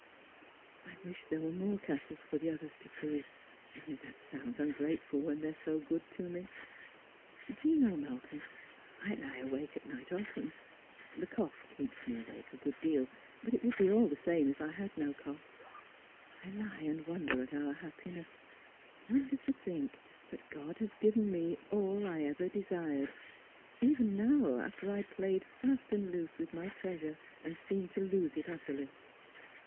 " I wish there was more castles for the others to see, only that sounds ungrateful when they are so good to me. Do you know, Malcolm, I lie awake at night often — the cough keeps me awake a good deal, but it would be all the same if I had no cough — I lie and wonder at our happiness, wonder to think that God has given me all I ever desired ; even now, after I played fast and loose with my treasure, and seemed to lose it utterly.